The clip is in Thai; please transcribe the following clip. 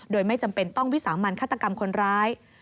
โดยไม่จำเป็นต้องวิสามันฆาตกรรมคนร้าย